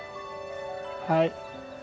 はい。